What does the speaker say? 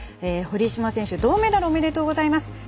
堀島選手、銅メダルおめでとうございます。